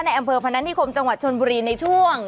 อำเภอพนันนิคมจังหวัดชนบุรีในช่วง